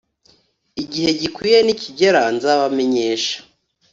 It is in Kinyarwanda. igihe gikwiriye nikigera nzabamenyesha